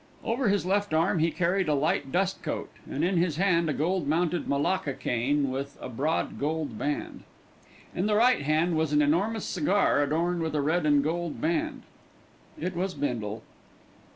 Over his left arm he carried a light dust coat, and in his hand a gold mounted malacca cane with a broad gold band. In the right hand was an enormous cigar adorned with a red and gold band. It was Bindle.